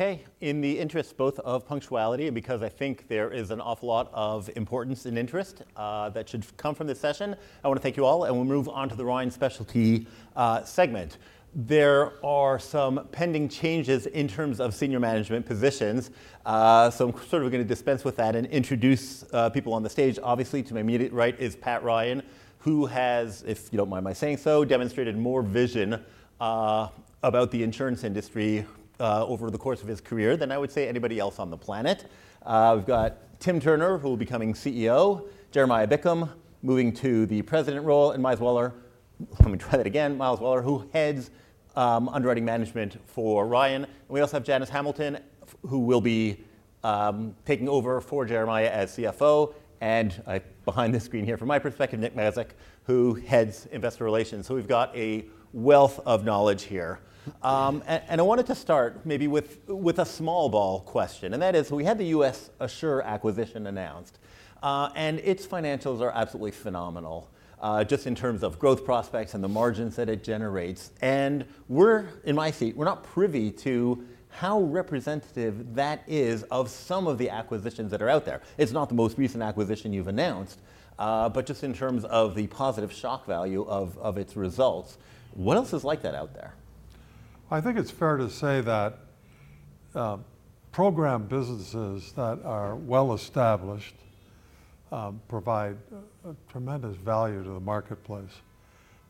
Okay, in the interest both of punctuality and because I think there is an awful lot of importance and interest that should come from this session, I want to thank you all, and we'll move on to the Ryan Specialty segment. There are some pending changes in terms of senior management positions. So I'm sort of going to dispense with that and introduce people on the stage. Obviously, to my immediate right is Pat Ryan, who has, if you don't mind my saying so, demonstrated more vision about the insurance industry over the course of his career than I would say anybody else on the planet. We've got Tim Turner, who will be becoming CEO, Jeremiah Bickham, moving to the president role, and Miles Wuller. Let me try that again. Miles Wuller, who heads underwriting management for Ryan. And we also have Janice Hamilton, who will be taking over for Jeremiah as CFO, and behind the screen here, from my perspective, Nick Mezick, who heads investor relations. So we've got a wealth of knowledge here. And I wanted to start maybe with a small ball question, and that is: we had the US Assure acquisition announced, and its financials are absolutely phenomenal, just in terms of growth prospects and the margins that it generates. And we're, in my seat, we're not privy to how representative that is of some of the acquisitions that are out there. It's not the most recent acquisition you've announced, but just in terms of the positive shock value of its results, what else is like that out there? I think it's fair to say that, program businesses that are well established, provide a tremendous value to the marketplace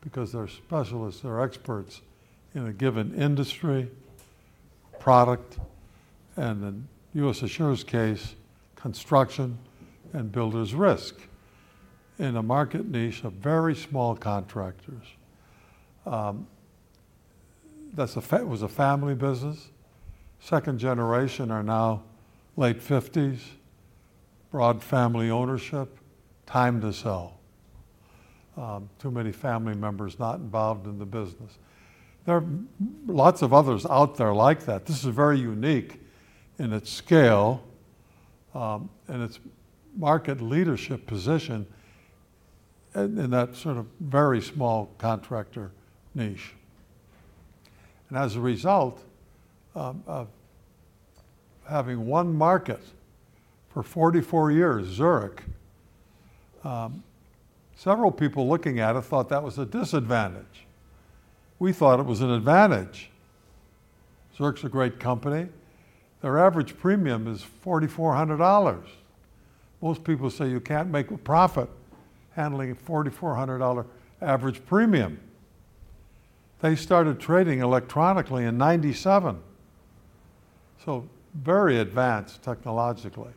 because they're specialists, they're experts in a given industry, product, and in US Assure's case, construction and builders risk, in a market niche of very small contractors. That's a family business. Second generation are now late 50s, broad family ownership, time to sell. Too many family members not involved in the business. There are lots of others out there like that. This is very unique in its scale, and its market leadership position in, in that sort of very small contractor niche. And as a result, of having one market for 44 years, Zurich, several people looking at it thought that was a disadvantage. We thought it was an advantage. Zurich's a great company. Their average premium is $4,400. Most people say you can't make a profit handling a $4,400 average premium. They started trading electronically in 1997, so very advanced technologically.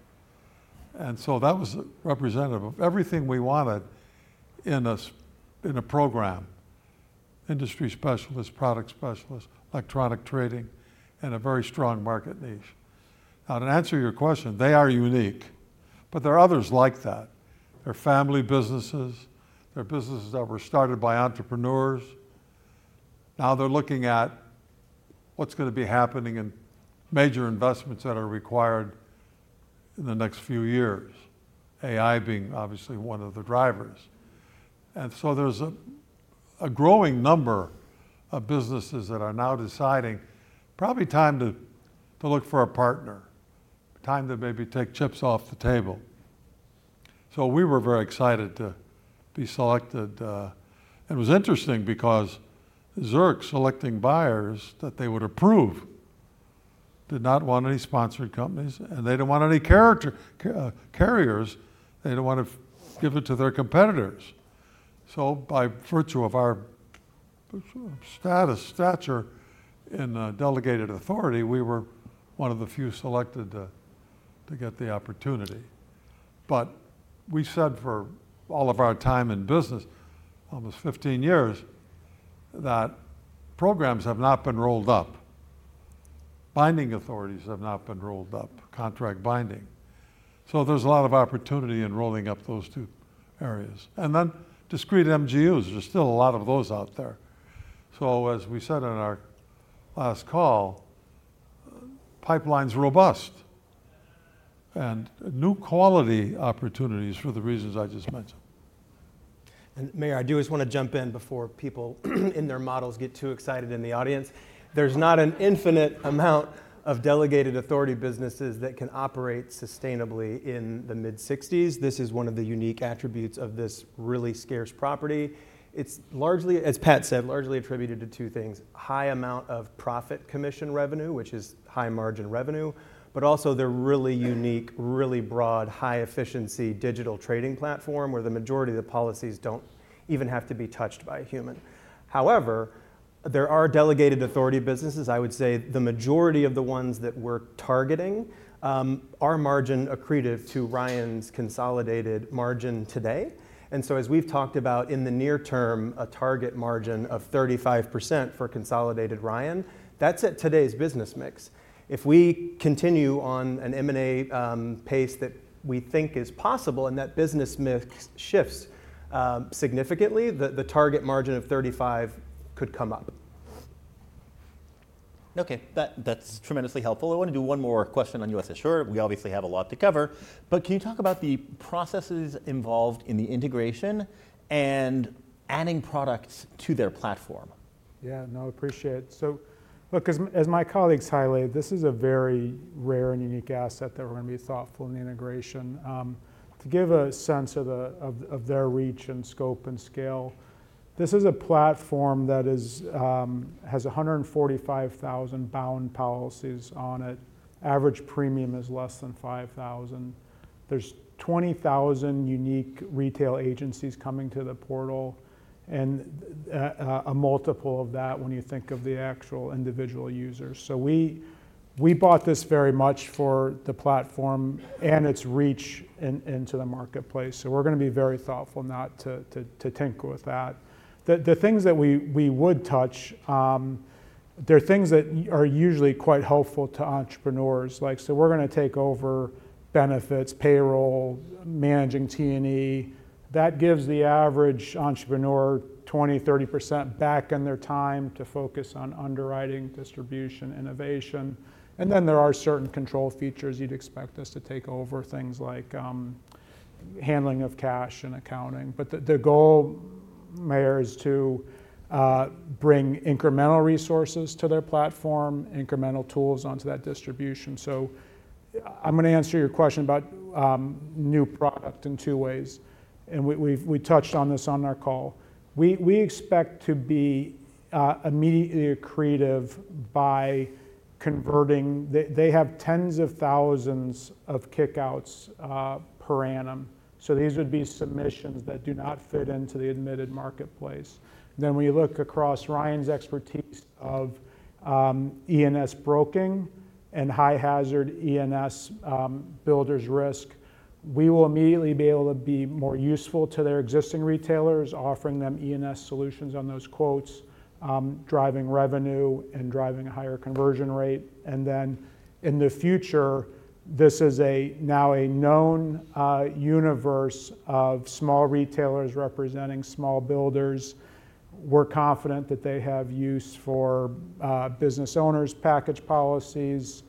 And so that was representative of everything we wanted in a program: industry specialists, product specialists, electronic trading, and a very strong market niche. Now, to answer your question, they are unique, but there are others like that. They're family businesses. They're businesses that were started by entrepreneurs. Now they're looking at what's gonna be happening and major investments that are required in the next few years, AI being obviously one of the drivers. And so there's a growing number of businesses that are now deciding, probably time to look for a partner, time to maybe take chips off the table. So we were very excited to be selected. It was interesting because Zurich selecting buyers that they would approve, did not want any sponsored companies, and they didn't want any captive carriers. They didn't want to give it to their competitors. So by virtue of our status, stature in delegated authority, we were one of the few selected to get the opportunity. But we said for all of our time in business, almost 15 years, that programs have not been rolled up. Binding authorities have not been rolled up, contract binding. So there's a lot of opportunity in rolling up those two areas. And then discrete MGUs, there's still a lot of those out there. So as we said on our last call, pipeline's robust and new quality opportunities for the reasons I just mentioned. Meyer, I do just want to jump in before people in their models get too excited in the audience. There's not an infinite amount of delegated authority businesses that can operate sustainably in the mid-sixties. This is one of the unique attributes of this really scarce property. It's largely, as Pat said, largely attributed to two things: high amount of profit commission revenue, which is high margin revenue, but also the really unique, really broad, high-efficiency digital trading platform, where the majority of the policies don't even have to be touched by a human. However, there are delegated authority businesses. I would say the majority of the ones that we're targeting are margin accretive to Ryan's consolidated margin today. And so as we've talked about in the near term, a target margin of 35% for consolidated Ryan, that's at today's business mix. If we continue on an M&A pace that we think is possible and that business mix shifts significantly, the target margin of 35 could come up. Okay, that's tremendously helpful. I want to do one more question on US Assure. We obviously have a lot to cover, but can you talk about the processes involved in the integration and adding products to their platform? Yeah, no, appreciate it. So look, as my colleagues highlighted, this is a very rare and unique asset that we're gonna be thoughtful in the integration. To give a sense of their reach and scope and scale, this is a platform that has 145,000 bound policies on it. Average premium is less than $5,000. There's 20,000 unique retail agencies coming to the portal, and a multiple of that when you think of the actual individual users. So we bought this very much for the platform and its reach into the marketplace, so we're gonna be very thoughtful not to tinker with that. The things that we would touch, they're things that are usually quite helpful to entrepreneurs. Like, so we're gonna take over benefits, payroll, managing T&E. That gives the average entrepreneur 20%-30% back in their time to focus on underwriting, distribution, innovation. And then there are certain control features you'd expect us to take over, things like, handling of cash and accounting. But the goal, Meyer, is to bring incremental resources to their platform, incremental tools onto that distribution. So I'm gonna answer your question about new product in two ways, and we've touched on this on our call. We expect to be immediately accretive by converting. They have tens of thousands of kick-outs per annum, so these would be submissions that do not fit into the admitted marketplace. Then we look across Ryan's expertise of E&S broking and high-hazard E&S, builders risk. We will immediately be able to be more useful to their existing retailers, offering them E&S solutions on those quotes, driving revenue and driving a higher conversion rate. And then in the future, this is a, now a known, universe of small retailers representing small builders. We're confident that they have use for, business owners, package policies,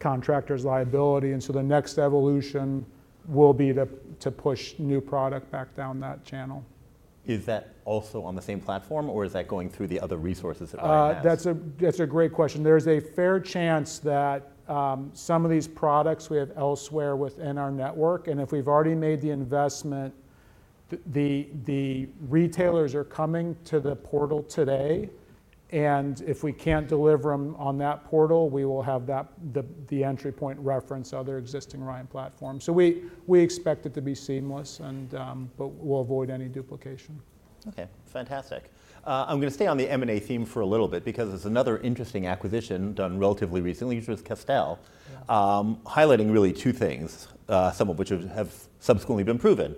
contractors liability, and so the next evolution will be to push new product back down that channel. Is that also on the same platform, or is that going through the other resources that Ryan has? That's a great question. There's a fair chance that some of these products we have elsewhere within our network, and if we've already made the investment, the retailers are coming to the portal today, and if we can't deliver them on that portal, we will have that entry point reference other existing Ryan platforms. So we expect it to be seamless, and but we'll avoid any duplication. Okay, fantastic. I'm gonna stay on the M&A theme for a little bit because there's another interesting acquisition done relatively recently, which was Castel, highlighting really two things, some of which have subsequently been proven.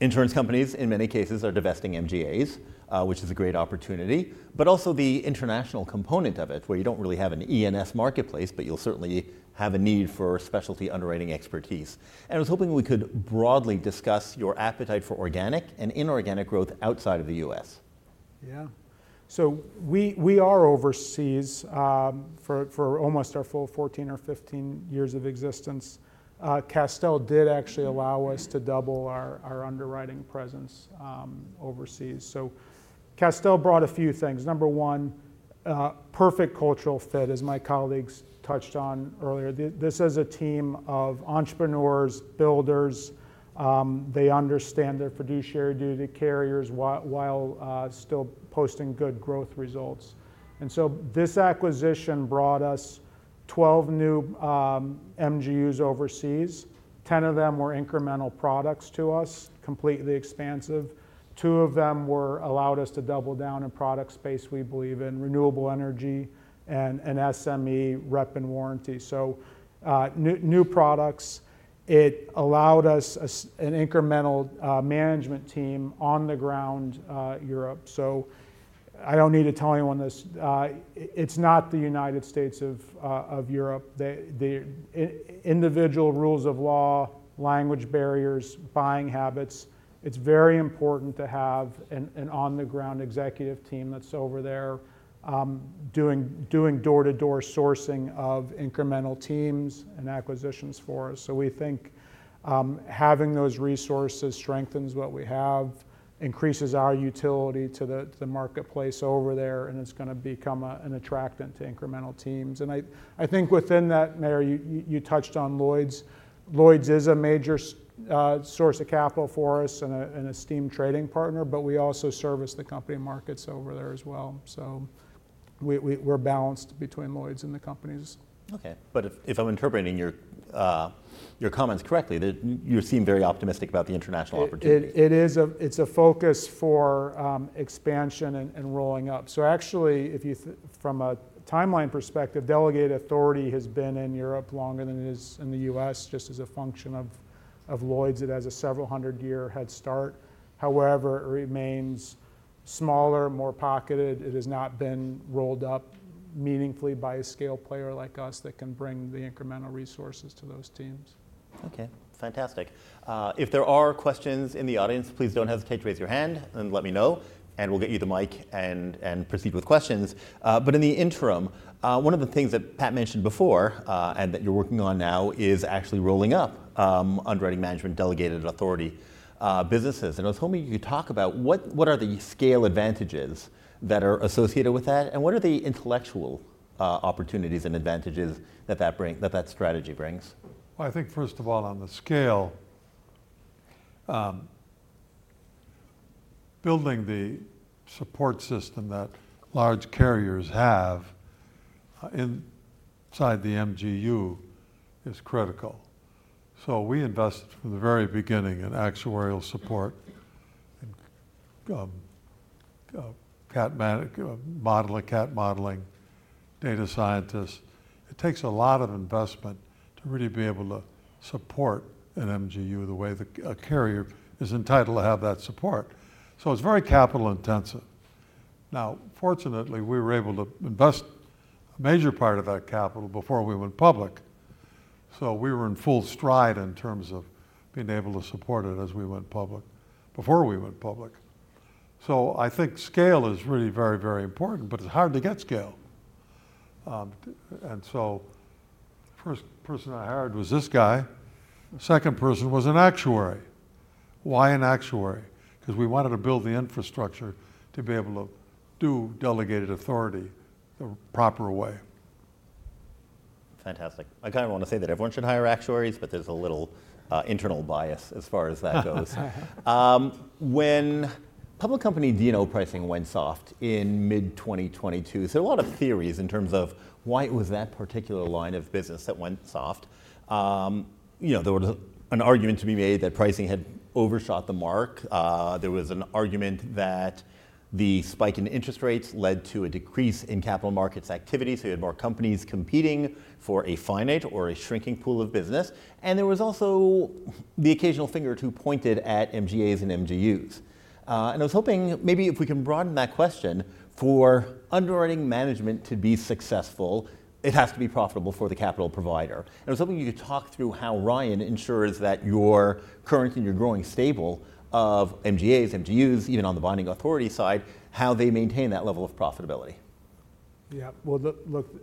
Insurance companies, in many cases, are divesting MGAs, which is a great opportunity, but also the international component of it, where you don't really have an E&S marketplace, but you'll certainly have a need for specialty underwriting expertise, and I was hoping we could broadly discuss your appetite for organic and inorganic growth outside of the U.S. Yeah. So we are overseas for almost our full fourteen or fifteen years of existence. Castel did actually allow us to double our underwriting presence overseas. So Castel brought a few things. Number one, perfect cultural fit, as my colleagues touched on earlier. This is a team of entrepreneurs, builders. They understand their fiduciary duty to carriers while still posting good growth results. And so this acquisition brought us twelve new MGUs overseas. Ten of them were incremental products to us, completely expansive. Two of them were allowed us to double down in product space we believe in, renewable energy and SME rep and warranty. So, new products, it allowed us as an incremental management team on the ground, Europe. So I don't need to tell anyone this, it's not the United States of Europe. The individual rules of law, language barriers, buying habits, it's very important to have an on-the-ground executive team that's over there, doing door-to-door sourcing of incremental teams and acquisitions for us. We think having those resources strengthens what we have, increases our utility to the marketplace over there, and it's gonna become an attractant to incremental teams. I think within that, Meyer, you touched on Lloyd's. Lloyd's is a major source of capital for us and an esteemed trading partner, but we also service the company markets over there as well. We are balanced between Lloyd's and the companies. Okay, but if I'm interpreting your comments correctly, that you seem very optimistic about the international opportunities. It is a focus for expansion and rolling up. So actually, if you from a timeline perspective, delegated authority has been in Europe longer than it is in the U.S., just as a function of Lloyd's. It has a several hundred year head start. However, it remains smaller, more pocketed. It has not been rolled up meaningfully by a scale player like us that can bring the incremental resources to those teams. Okay, fantastic. If there are questions in the audience, please don't hesitate to raise your hand and let me know, and we'll get you the mic and proceed with questions, but in the interim, one of the things that Pat mentioned before, and that you're working on now, is actually rolling up underwriting management, delegated authority businesses, and I was hoping you could talk about what are the scale advantages that are associated with that, and what are the opportunities and advantages that strategy brings? I think first of all, on the scale, building the support system that large carriers have inside the MGU is critical. So we invested from the very beginning in actuarial support, and cat modeling data scientists. It takes a lot of investment to really be able to support an MGU the way a carrier is entitled to have that support. So it's very capital intensive. Now, fortunately, we were able to invest a major part of that capital before we went public, so we were in full stride in terms of being able to support it as we went public, before we went public. So I think scale is really very, very important, but it's hard to get scale. And so first person I hired was this guy. The second person was an actuary. Why an actuary? Cause we wanted to build the infrastructure to be able to do delegated authority the proper way. Fantastic. I kinda wanna say that everyone should hire actuaries, but there's a little, internal bias as far as that goes. When public company D&O pricing went soft in mid-2022, there's a lot of theories in terms of why it was that particular line of business that went soft. You know, there was an argument to be made that pricing had overshot the mark. There was an argument that the spike in interest rates led to a decrease in capital markets activity, so you had more companies competing for a finite or a shrinking pool of business. And there was also the occasional finger or two pointed at MGAs and MGUs. And I was hoping maybe if we can broaden that question: for underwriting management to be successful, it has to be profitable for the capital provider. I was hoping you could talk through how Ryan ensures that your current and your growing stable of MGAs, MGUs, even on the binding authority side, how they maintain that level of profitability. Yeah. Well,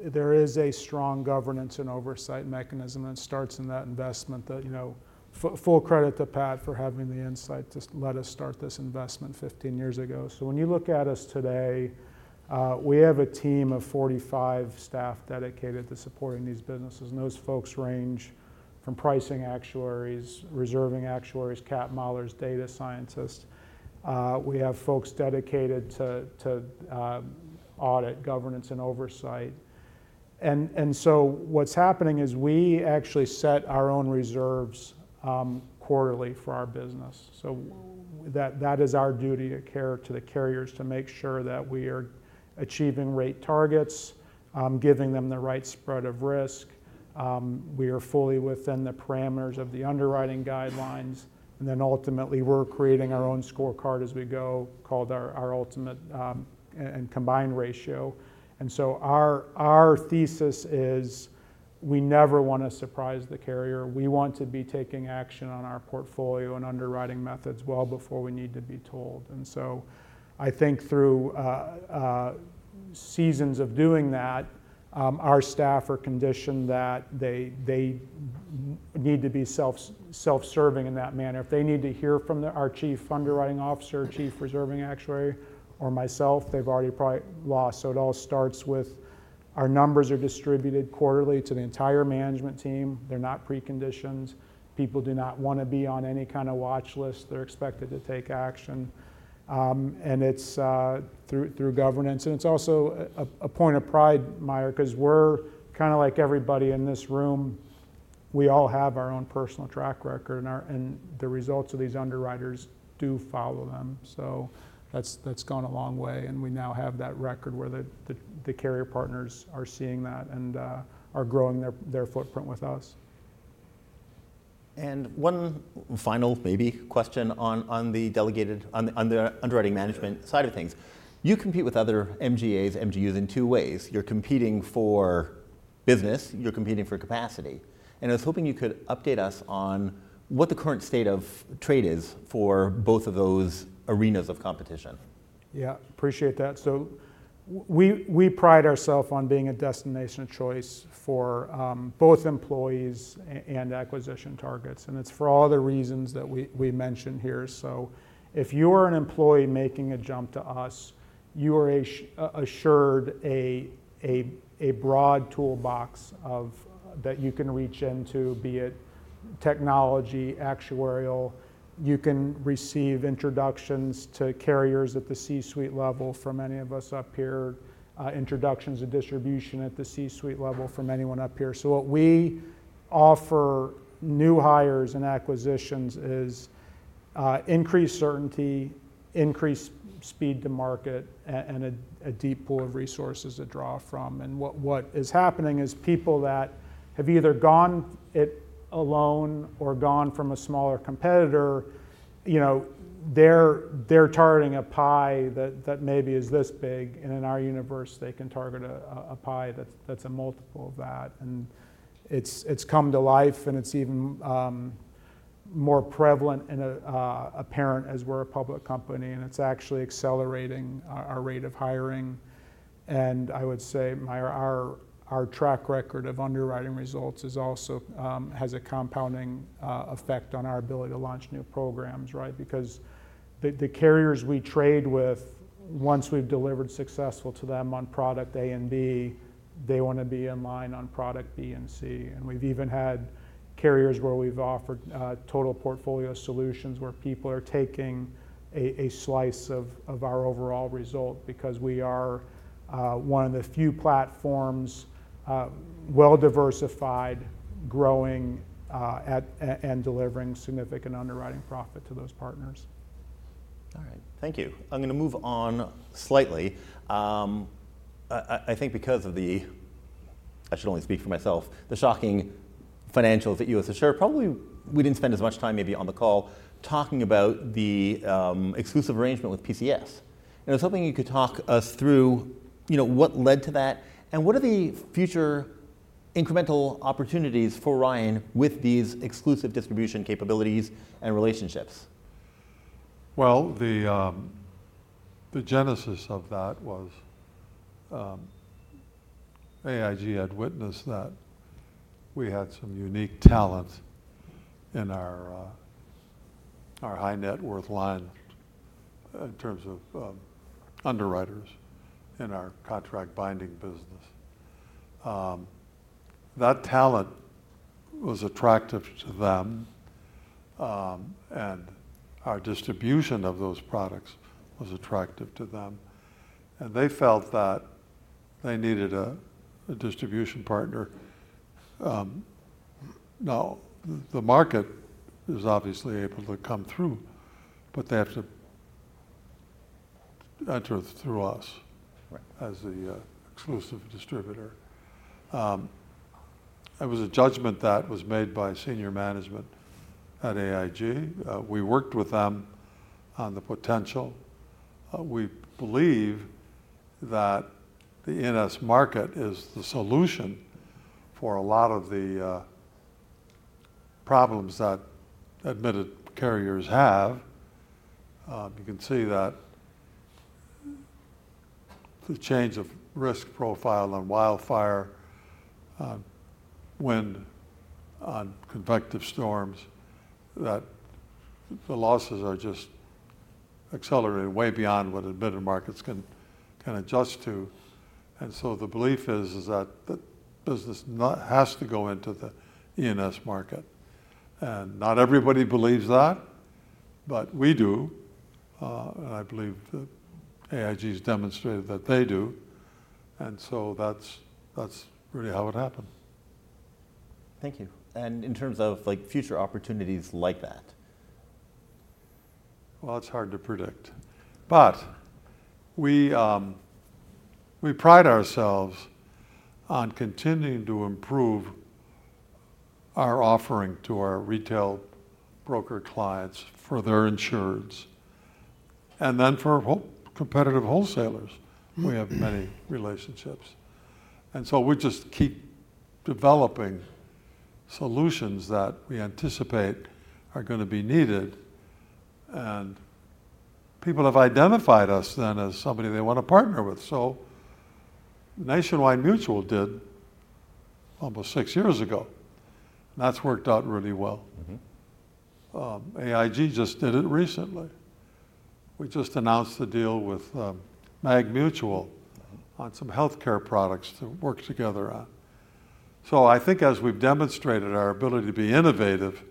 there is a strong governance and oversight mechanism, and it starts in that investment that, you know, full credit to Pat for having the insight to let us start this investment 15 years ago. So when you look at us today, we have a team of 45 staff dedicated to supporting these businesses, and those folks range from pricing actuaries, reserving actuaries, cat modelers, data scientists. We have folks dedicated to audit, governance, and oversight. And so what's happening is we actually set our own reserves quarterly for our business. That is our duty of care to the carriers to make sure that we are achieving rate targets, giving them the right spread of risk, we are fully within the parameters of the underwriting guidelines, and then ultimately, we're creating our own scorecard as we go, called our ultimate and combined ratio. Our thesis is, we never wanna surprise the carrier. We want to be taking action on our portfolio and underwriting methods well before we need to be told. I think through seasons of doing that, our staff are conditioned that they need to be self-serving in that manner. If they need to hear from our Chief Underwriting Officer, Chief Reserving Actuary, or myself, they've already probably lost. It all starts with our numbers are distributed quarterly to the entire management team. They're not preconditioned. People do not wanna be on any kind of watchlist. They're expected to take action, and it's through governance. It's also a point of pride, Meyer, 'cause we're kinda like everybody in this room. We all have our own personal track record, and the results of these underwriters do follow them. That's gone a long way, and we now have that record where the carrier partners are seeing that and are growing their footprint with us. One final, maybe, question on the delegated underwriting management side of things. You compete with other MGAs, MGUs in two ways. You're competing for business, you're competing for capacity, and I was hoping you could update us on what the current state of trade is for both of those arenas of competition. Yeah, appreciate that. So we pride ourselves on being a destination of choice for both employees and acquisition targets, and it's for all the reasons that we mentioned here. So if you're an employee making a jump to us, you are assured a broad toolbox of that you can reach into, be it technology, actuarial. You can receive introductions to carriers at the C-suite level from any of us up here, introductions to distribution at the C-suite level from anyone up here. So what we offer new hires and acquisitions is increased certainty, increased speed to market, and a deep pool of resources to draw from. And what is happening is people that have either gone it alone or gone from a smaller competitor, you know, they're targeting a pie that maybe is this big, and in our universe, they can target a pie that's a multiple of that. And it's come to life, and it's even more prevalent and apparent as we're a public company, and it's actually accelerating our rate of hiring. And I would say, Meyer, our track record of underwriting results is also has a compounding effect on our ability to launch new programs, right? Because the carriers we trade with, once we've delivered successful to them on product A and B, they want to be in line on product B and C. We've even had carriers where we've offered total portfolio solutions, where people are taking a slice of our overall result because we are one of the few platforms well-diversified, growing, and delivering significant underwriting profit to those partners. All right. Thank you. I'm gonna move on slightly. I think because I should only speak for myself, the shocking financials that you as shareholders probably we didn't spend as much time on the call talking about the exclusive arrangement with PCS. And I was hoping you could talk us through, you know, what led to that, and what are the future incremental opportunities for Ryan with these exclusive distribution capabilities and relationships? Well, the genesis of that was, AIG had witnessed that we had some unique talent in our high net worth line in terms of underwriters in our contract binding business. That talent was attractive to them, and our distribution of those products was attractive to them, and they felt that they needed a distribution partner. Now, the market is obviously able to come through, but they have to enter through us as the exclusive distributor. It was a judgment that was made by senior management at AIG. We worked with them on the potential. We believe that the E&S market is the solution for a lot of the problems that admitted carriers have. You can see that the change of risk profile on wildfire, wind, on convective storms, that the losses are just accelerating way beyond what admitted markets can adjust to. And so the belief is that the business has to go into the E&S market. And not everybody believes that, but we do. And I believe that AIG has demonstrated that they do, and so that's really how it happened. Thank you. And in terms of, like, future opportunities like that? Well, it's hard to predict, but we pride ourselves on continuing to improve our offering to our retail broker clients for their insureds, and then for wholesale, competitive wholesalers, we have many relationships. We just keep developing solutions that we anticipate are gonna be needed, and people have identified us then as somebody they want to partner with. Nationwide Mutual did almost six years ago, and that's worked out really well. Mm-hmm. AIG just did it recently. We just announced the deal with, MagMutual on some healthcare products to work together on. So I think as we've demonstrated our ability to be innovative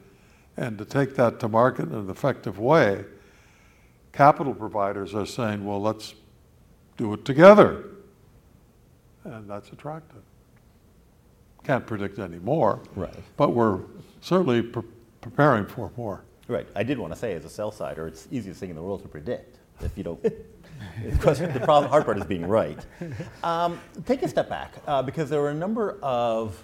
and to take that to market in an effective way, capital providers are saying, "Well, let's do it together," and that's attractive. Can't predict any more but we're certainly preparing for more. Right. I did want to say, as a sell-sider, it's the easiest thing in the world to predict. Of course, the problem, hard part is being right. Take a step back, because there were a number of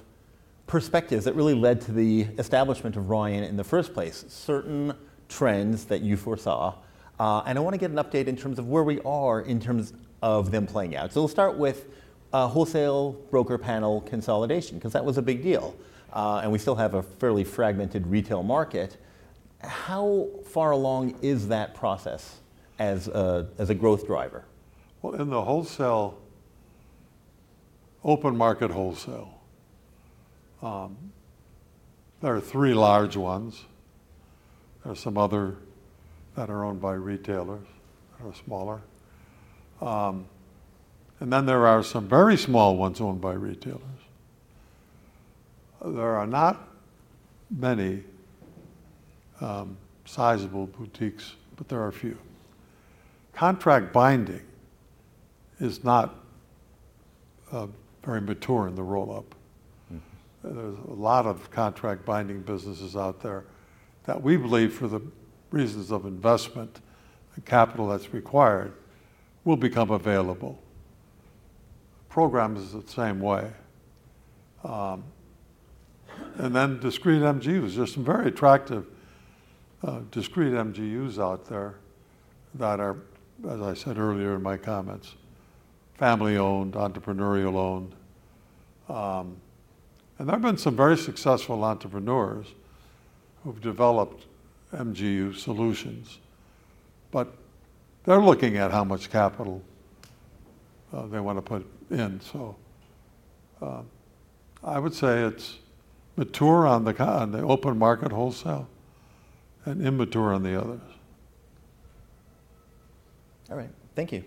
perspectives that really led to the establishment of Ryan in the first place, certain trends that you foresaw. And I want to get an update in terms of where we are in terms of them playing out. So we'll start with wholesale broker panel consolidation, 'cause that was a big deal, and we still have a fairly fragmented retail market. How far along is that process as a growth driver? In the wholesale, open market wholesale, there are three large ones. There are some other that are owned by retailers that are smaller. And then there are some very small ones owned by retailers. There are not many, sizable boutiques, but there are a few. Contract binding is not very mature in the roll-up. There's a lot of contract binding businesses out there that we believe, for the reasons of investment and capital that's required, will become available. Programs is the same way. And then discrete MGUs. There are some very attractive, discrete MGUs out there that are, as I said earlier in my comments, family-owned, entrepreneurial-owned. And there have been some very successful entrepreneurs who've developed MGU solutions but they're looking at how much capital, they wanna put in. So, I would say it's mature on the open market wholesale, and immature on the others. All right. Thank you.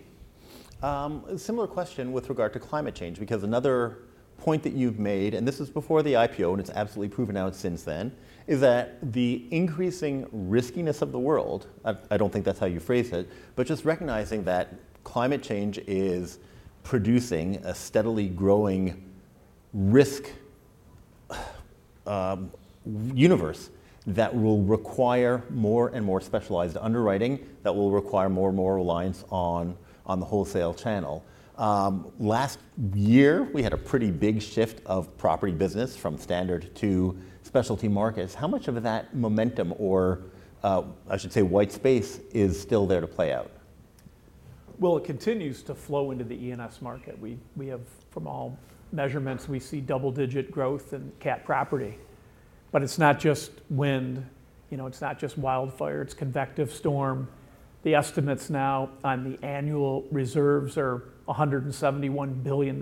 A similar question with regard to climate change, because another point that you've made, and this is before the IPO, and it's absolutely proven out since then, is that the increasing riskiness of the world, I don't think that's how you phrased it, but just recognizing that climate change is producing a steadily growing risk, universe that will require more and more specialized underwriting, that will require more and more reliance on the wholesale channel. Last year we had a pretty big shift of property business from standard to specialty markets. How much of that momentum, or, I should say, white space, is still there to play out? It continues to flow into the E&S market. We have from all measurements, we see double-digit growth in cat property. But it's not just wind, you know, it's not just wildfire, it's convective storm. The estimates now on the annual reserves are $171 billion.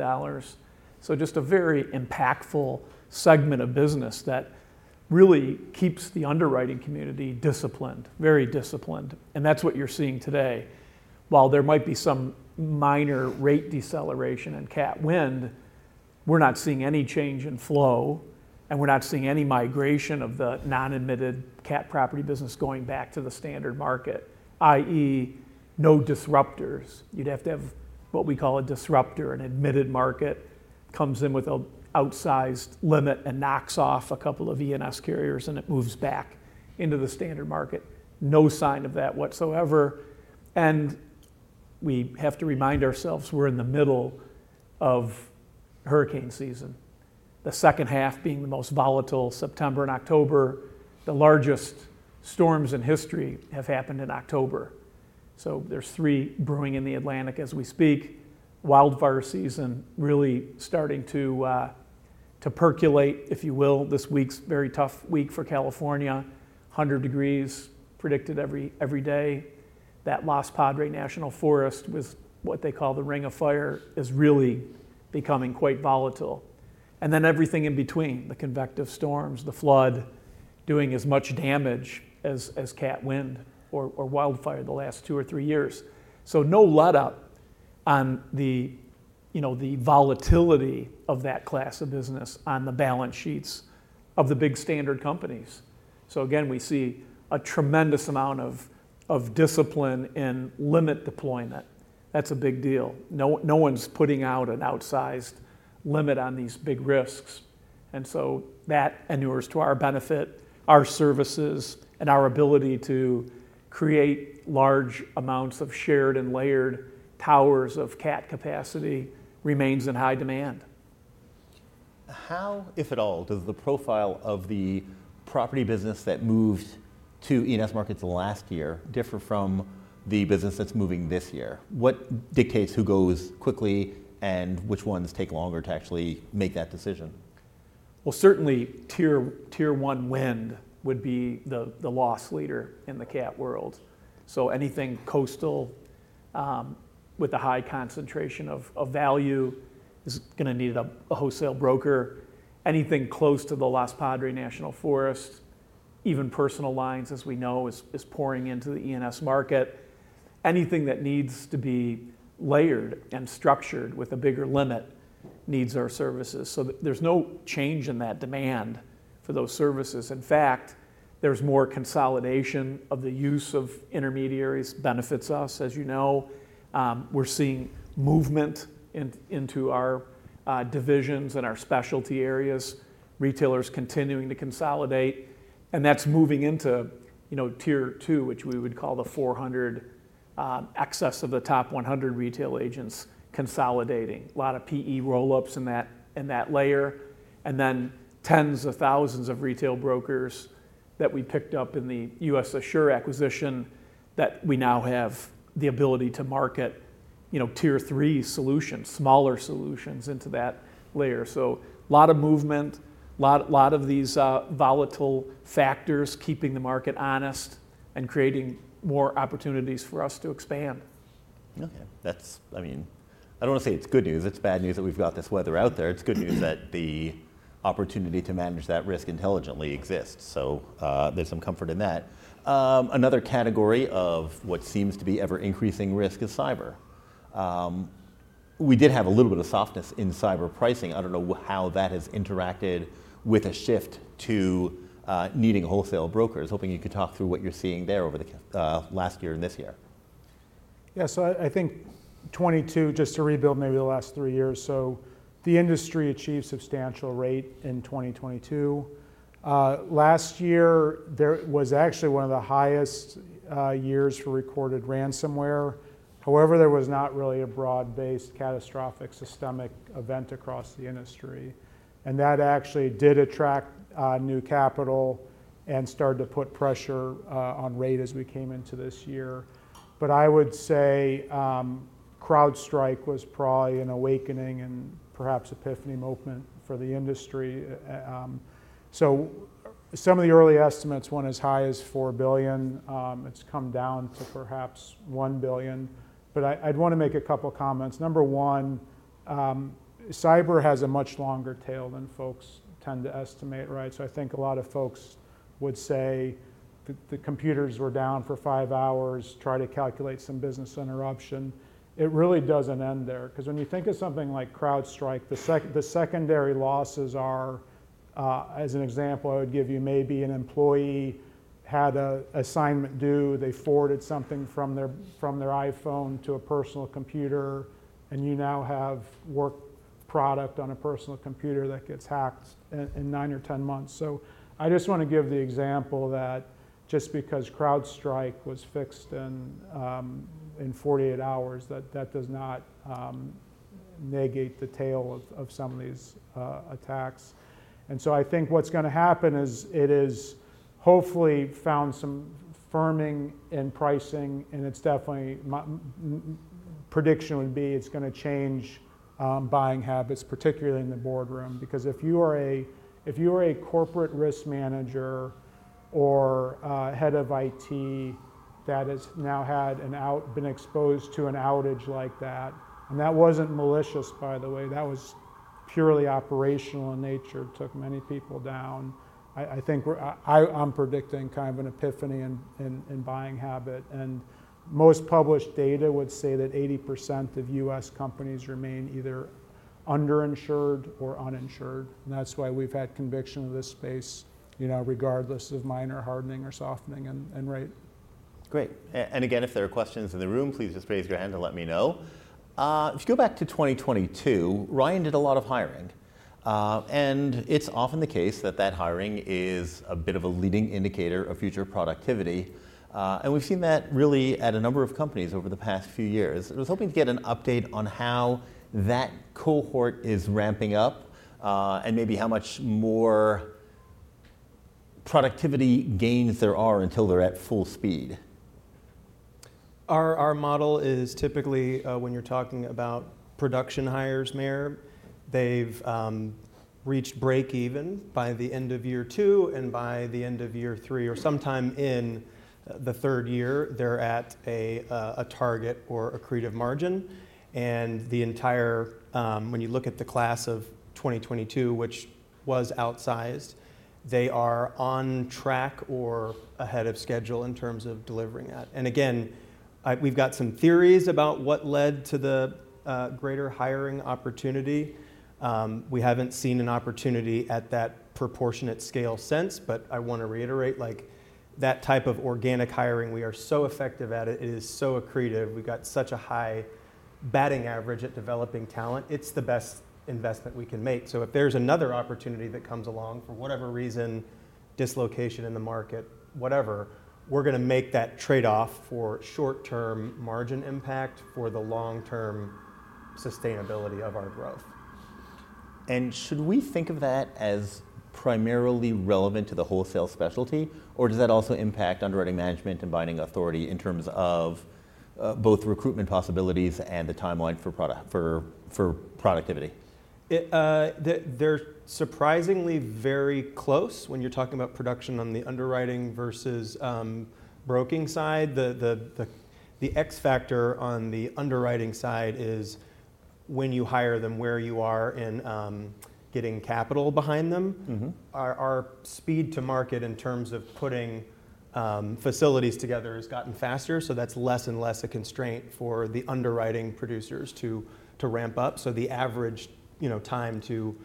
Just a very impactful segment of business that really keeps the underwriting community disciplined, very disciplined, and that's what you're seeing today. While there might be some minor rate deceleration in cat wind, we're not seeing any change in flow, and we're not seeing any migration of the non-admitted cat property business going back to the standard market, i.e., no disruptors. You'd have to have what we call a disruptor, an admitted market, comes in with a outsized limit and knocks off a couple of E&S carriers, and it moves back into the standard market. No sign of that whatsoever, and we have to remind ourselves we're in the middle of hurricane season, the second half being the most volatile. September and October, the largest storms in history have happened in October, so there's three brewing in the Atlantic as we speak. Wildfire season really starting to percolate, if you will. This week's very tough week for California, 100 degrees Fahrenheit predicted every day. That Los Padres National Forest, with what they call the Ring of Fire, is really becoming quite volatile. And then everything in between, the convective storms, the flood doing as much damage as cat wind or wildfire the last two or three years. So no letup on the, you know, the volatility of that class of business on the balance sheets of the big standard companies. So again, we see a tremendous amount of discipline and limit deployment. That's a big deal. No, no one's putting out an outsized limit on these big risks, and so that inures to our benefit, our services, and our ability to create large amounts of shared and layered towers of cat capacity remains in high demand. How, if at all, does the profile of the property business that moved to E&S markets last year differ from the business that's moving this year? What dictates who goes quickly, and which ones take longer to actually make that decision? Certainly Tier 1 wind would be the loss leader in the cat world. So anything coastal with a high concentration of value is gonna need a wholesale broker. Anything close to the Los Padres National Forest, even personal lines, as we know, is pouring into the E&S market. Anything that needs to be layered and structured with a bigger limit needs our services, so there's no change in that demand for those services. In fact, there's more consolidation of the use of intermediaries benefits us, as you know. We're seeing movement into our divisions and our specialty areas, retailers continuing to consolidate, and that's moving into, you know, Tier 2, which we would call the 400 excess of the top 100 retail agents consolidating.F A lot of PE roll-ups in that layer, and then tens of thousands of retail brokers that we picked up in the US Assure acquisition, that we now have the ability to market, you know, Tier 3 solutions, smaller solutions into that layer. So a lot of movement, a lot of these volatile factors, keeping the market honest and creating more opportunities for us to expand. Okay. That's, I mean, I don't wanna say it's good news. It's bad news that we've got this weather out there. It's good news that the opportunity to manage that risk intelligently exists, so, there's some comfort in that. Another category of what seems to be ever-increasing risk is cyber. We did have a little bit of softness in cyber pricing. I don't know how that has interacted with a shift to, needing wholesale brokers. Hoping you could talk through what you're seeing there over the last year and this year. Yeah, so I think 2022, just to rebuild maybe the last three years, so the industry achieved substantial rate in 2022. Last year, there was actually one of the highest years for recorded ransomware. However, there was not really a broad-based, catastrophic, systemic event across the industry, and that actually did attract new capital and started to put pressure on rate as we came into this year. But I would say, CrowdStrike was probably an awakening and perhaps epiphany moment for the industry. So some of the early estimates went as high as $4 billion. It's come down to perhaps $1 billion, but I, I'd want to make a couple comments. Number one, cyber has a much longer tail than folks tend to estimate, right? So I think a lot of folks would say the, the computers were down for five hours, try to calculate some business interruption. It really doesn't end there, 'cause when you think of something like CrowdStrike, the secondary losses are, as an example, I would give you, maybe an employee had an assignment due, they forwarded something from their iPhone to a personal computer, and you now have work product on a personal computer that gets hacked in nine or 10 months. So I just want to give the example that just because CrowdStrike was fixed in forty-eight hours, that does not negate the tail of some of these attacks. And so I think what's gonna happen is, it is hopefully found some firming in pricing, and it's definitely my prediction would be, it's gonna change buying habits, particularly in the boardroom. Because if you are a, if you are a corporate risk manager or head of IT, that has now had an outage been exposed to an outage like that, and that wasn't malicious by the way, that was purely operational in nature, took many people down. I think we're, I'm predicting kind of an epiphany in buying habit, and most published data would say that 80% of U.S. companies remain either under-insured or uninsured, and that's why we've had conviction in this space, you know, regardless of minor hardening or softening and rate. Great. And again, if there are questions in the room, please just raise your hand and let me know. If you go back to 2022, Ryan did a lot of hiring. And it's often the case that that hiring is a bit of a leading indicator of future productivity. And we've seen that really at a number of companies over the past few years. I was hoping to get an update on how that cohort is ramping up, and maybe how much more productivity gains there are until they're at full speed. Our model is typically, when you're talking about production hires, Meyer, they've reached breakeven by the end of year two, and by the end of year three or sometime in the third year, they're at a target or accretive margin. And the entire, when you look at the class of 2022, which was outsized, they are on track or ahead of schedule in terms of delivering that. And again, we've got some theories about what led to the greater hiring opportunity. We haven't seen an opportunity at that proportionate scale since, but I want to reiterate, like, that type of organic hiring, we are so effective at it, it is so accretive. We've got such a high batting average at developing talent. It's the best investment we can make. So if there's another opportunity that comes along for whatever reason, dislocation in the market, whatever, we're gonna make that trade-off for short-term margin impact, for the long-term sustainability of our growth. And should we think of that as primarily relevant to the wholesale specialty, or does that also impact underwriting management and binding authority in terms of both recruitment possibilities and the timeline for product, for productivity? They're surprisingly very close when you're talking about production on the underwriting versus broking side. The X factor on the underwriting side is when you hire them, where you are in getting capital behind them. Our speed to market in terms of putting facilities together has gotten faster, so that's less and less a constraint for the underwriting producers to ramp up. So the average, you know, time to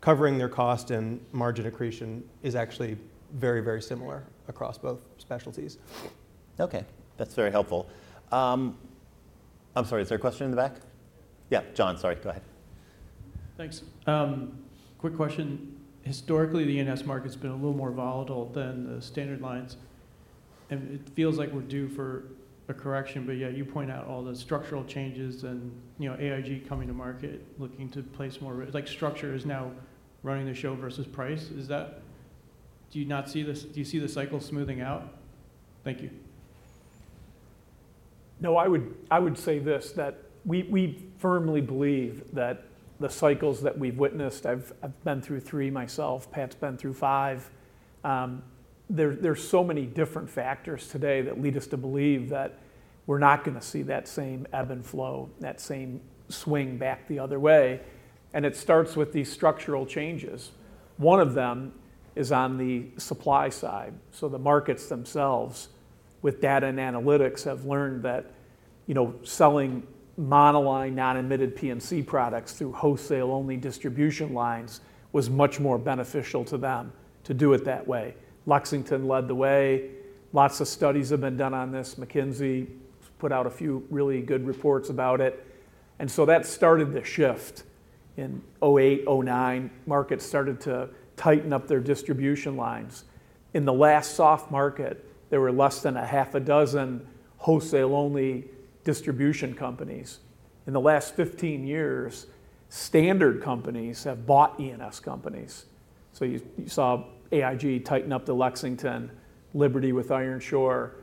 covering their cost and margin accretion is actually very, very similar across both specialties. Okay, that's very helpful. I'm sorry, is there a question in the back? Yeah, John, sorry, go ahead. Thanks. Quick question. Historically, the E&S market's been a little more volatile than the standard lines, and it feels like we're due for a correction. But yet you point out all the structural changes and, you know, AIG coming to market, looking to place more. Like, structure is now running the show versus price. Is that? Do you not see this? Do you see the cycle smoothing out? Thank you. No, I would say this, that we firmly believe that the cycles that we've witnessed... I've been through three myself, Pat's been through five. There's so many different factors today that lead us to believe that we're not gonna see that same ebb and flow, that same swing back the other way, and it starts with these structural changes. One of them is on the supply side. So the markets themselves, with data and analytics, have learned that, you know, selling monoline, non-admitted P&C products through wholesale-only distribution lines, was much more beneficial to them to do it that way. Lexington led the way. Lots of studies have been done on this. McKinsey put out a few really good reports about it, and so that started the shift. In 2008, 2009, markets started to tighten up their distribution lines. In the last soft market, there were less than a half a dozen wholesale-only distribution companies. In the last fifteen years, standard companies have bought E&S companies. So you saw AIG tighten up to Lexington, Liberty with Ironshore,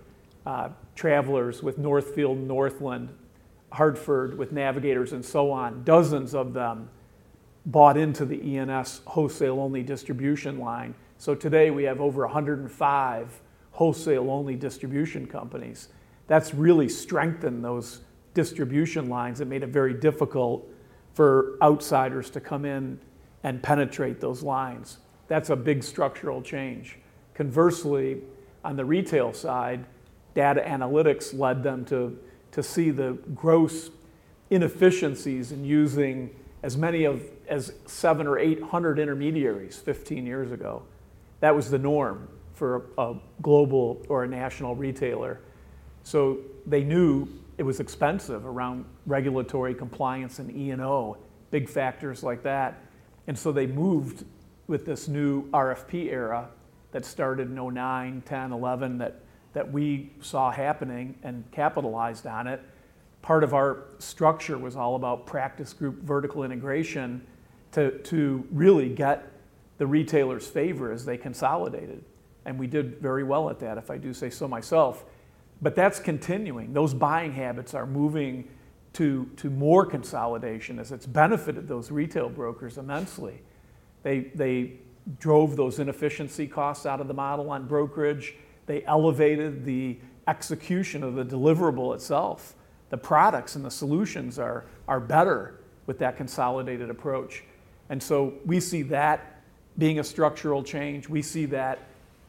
Travelers with Northfield, Northland, Hartford with Navigators, and so on. Dozens of them bought into the E&S wholesale-only distribution line. So today we have over 105 wholesale-only distribution companies. That's really strengthened those distribution lines and made it very difficult for outsiders to come in and penetrate those lines. That's a big structural change. Conversely, on the retail side, data analytics led them to see the gross inefficiencies in using as many as seven or eight hundred intermediaries 15 years ago. That was the norm for a global or a national retailer. So they knew it was expensive around regulatory compliance and E&O, big factors like that. And so they moved with this new RFP era that started in 2009, 2010, 2011, that we saw happening and capitalized on it. Part of our structure was all about practice group vertical integration to really get the retailers' favor as they consolidated, and we did very well at that, if I do say so myself. But that's continuing. Those buying habits are moving to more consolidation as it's benefited those retail brokers immensely. They drove those inefficiency costs out of the model on brokerage. They elevated the execution of the deliverable itself. The products and the solutions are better with that consolidated approach, and so we see that being a structural change. We see that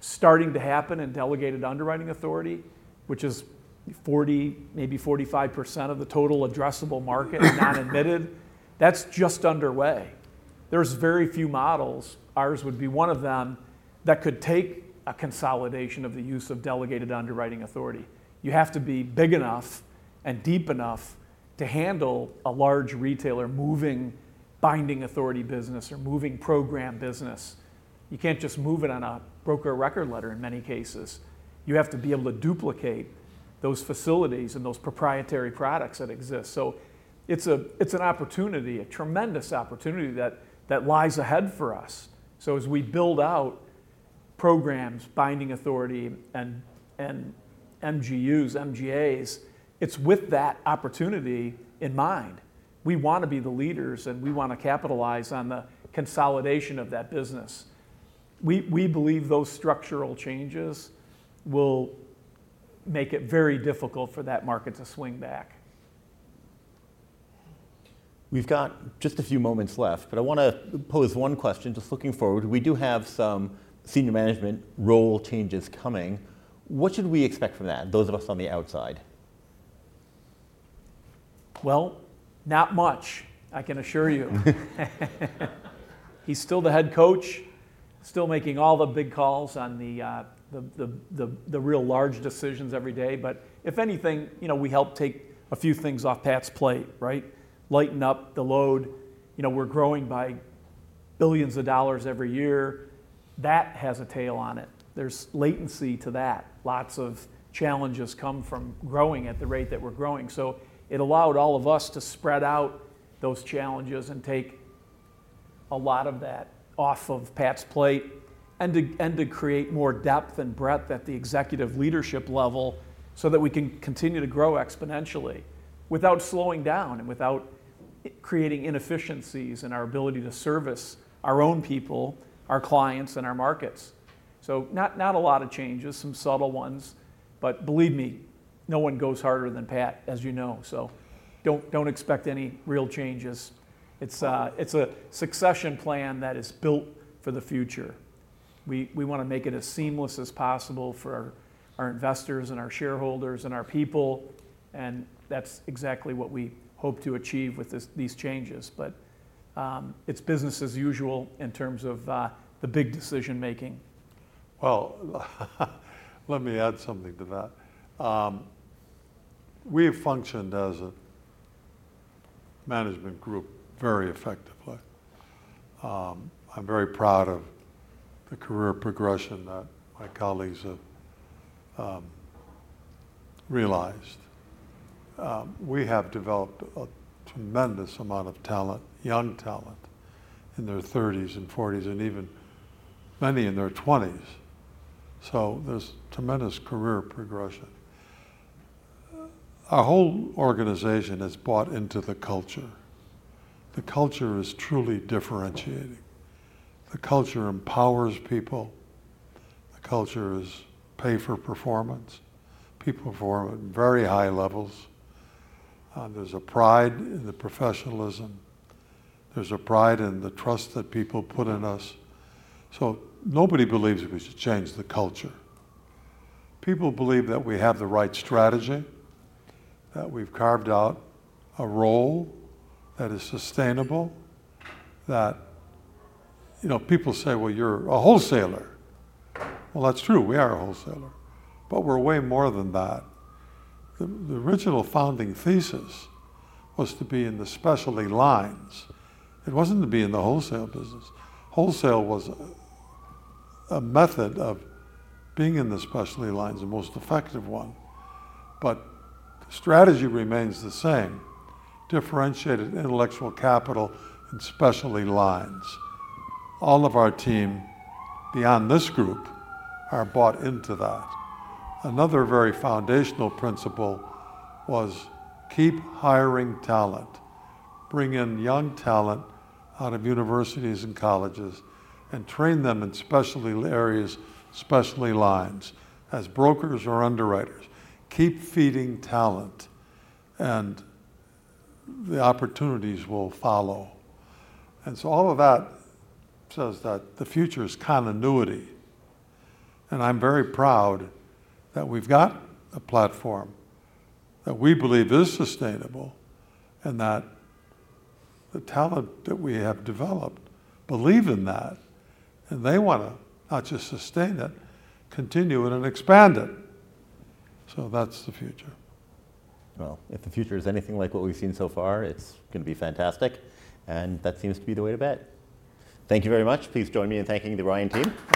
starting to happen in delegated underwriting authority, which is 40%, maybe 45% of the total addressable market and non-admitted. That's just underway. There's very few models, ours would be one of them, that could take a consolidation of the use of delegated underwriting authority. You have to be big enough and deep enough to handle a large retailer moving binding authority business or moving program business. You can't just move it on a broker record letter in many cases. You have to be able to duplicate those facilities and those proprietary products that exist. So it's a, it's an opportunity, a tremendous opportunity that, that lies ahead for us. So as we build out programs, binding authority, and, and MGUs, MGAs, it's with that opportunity in mind. We want to be the leaders, and we want to capitalize on the consolidation of that business. We, we believe those structural changes will make it very difficult for that market to swing back. We've got just a few moments left, but I wanna pose one question, just looking forward. We do have some senior management role changes coming. What should we expect from that, those of us on the outside? Not much, I can assure you. He's still the head coach, still making all the big calls on the real large decisions every day, but if anything, you know, we help take a few things off Pat's plate, right? Lighten up the load. You know, we're growing by billions of dollars every year. That has a tail on it. There's latency to that. Lots of challenges come from growing at the rate that we're growing, so it allowed all of us to spread out those challenges and take a lot of that off of Pat's plate and to create more depth and breadth at the executive leadership level so that we can continue to grow exponentially without slowing down and without creating inefficiencies in our ability to service our own people, our clients, and our markets. So not a lot of changes, some subtle ones, but believe me, no one goes harder than Pat, as you know, so don't expect any real changes. It's a succession plan that is built for the future. We wanna make it as seamless as possible for our investors and our shareholders and our people, and that's exactly what we hope to achieve with this, these changes, but it's business as usual in terms of the big decision making. Let me add something to that. We have functioned as a management group very effectively. I'm very proud of the career progression that my colleagues have realized. We have developed a tremendous amount of talent, young talent, in their thirties and forties and even many in their twenties, so there's tremendous career progression. Our whole organization has bought into the culture. The culture is truly differentiating. The culture empowers people. The culture is pay for performance. People perform at very high levels, and there's a pride in the professionalism. There's a pride in the trust that people put in us, so nobody believes we should change the culture. People believe that we have the right strategy, that we've carved out a role that is sustainable, that... You know, people say, "Well, you're a wholesaler." That's true. We are a wholesaler, but we're way more than that. The original founding thesis was to be in the specialty lines. It wasn't to be in the wholesale business. Wholesale was a method of being in the specialty lines, the most effective one, but the strategy remains the same, differentiated intellectual capital and specialty lines. All of our team beyond this group are bought into that. Another very foundational principle was keep hiring talent. Bring in young talent out of universities and colleges and train them in specialty areas, specialty lines, as brokers or underwriters. Keep feeding talent, and the opportunities will follow. And so all of that says that the future is continuity, and I'm very proud that we've got a platform that we believe is sustainable and that the talent that we have developed believe in that, and they wanna not just sustain it, continue it and expand it. So that's the future. If the future is anything like what we've seen so far, it's gonna be fantastic, and that seems to be the way to bet. Thank you very much. Please join me in thanking the Ryan team. Thank you.